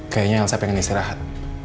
kayaknya elsa pengen istirahat